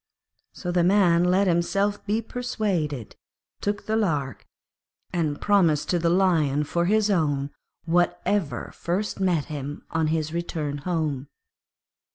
So the Man let himself be persuaded, took the lark, and promised to the Lion for his own whatever first met him on his return home.